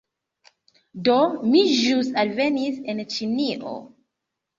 Do, mi ĵus alvenis en ĉinio